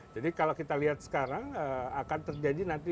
jadi kalau kita lihat sekarang akan terjadi nanti